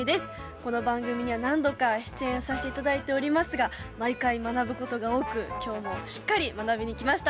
この番組には何度か出演させて頂いておりますが毎回学ぶことが多く今日もしっかり学びにきました。